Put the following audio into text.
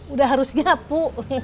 udah harus nyapu